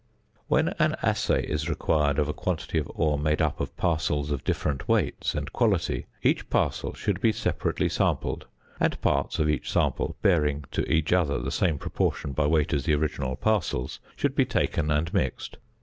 When an assay is required of a quantity of ore made up of parcels of different weight and quality, each parcel should be separately sampled and parts of each sample, bearing to each other the same proportion by weight as the original parcels, should be taken and mixed.